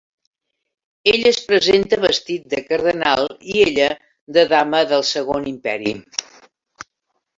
Ell es presenta vestit de cardenal i ella de dama del Segon Imperi.